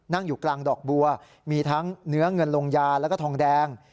นั่งอยู่กลางดอกบัวมีทั้งเนื้อเงินลงยาแล้วก็ทองแดง